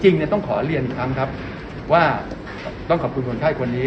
จริงต้องขอเรียนอีกครั้งครับว่าต้องขอบคุณคนไข้คนนี้